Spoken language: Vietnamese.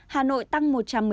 hà nội tăng một trăm một mươi hai